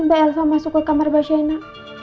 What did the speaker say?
mbak elva masuk ke kamar mbak shaina